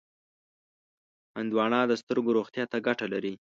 هندوانه د سترګو روغتیا ته ګټه لري.